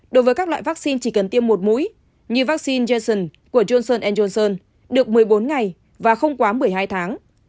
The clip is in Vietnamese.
đối với các loại vaccine chỉ cần tiêm một mũi như vaccine jason của johnson johnson được một mươi bốn ngày và không quá một mươi hai tháng